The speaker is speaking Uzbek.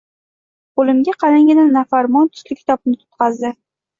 Qo‘limga qalingina nafarmon tusli kitobni tutqazdi.